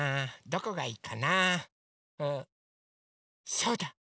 そうだ！